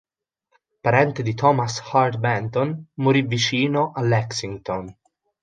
Parente di Thomas Hart Benton, morì vicino a Lexington.